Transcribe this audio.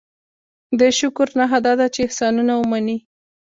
دې شکر نښه دا ده چې احسانونه ومني.